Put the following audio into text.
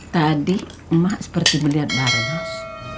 tadi emak seperti melihat barnas